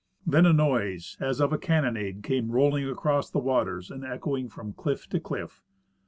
Then a noise as of a cannonade came rolling across the waters and echoing from cliff to cliff.